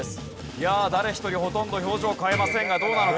いや誰一人ほとんど表情を変えませんがどうなのか？